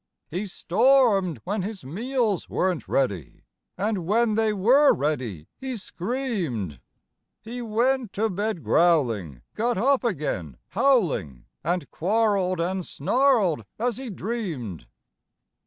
He stormed when his meals weren't ready, And when they were ready, he screamed. He went to bed growling, got up again howling And quarreled and snarled as he dreamed.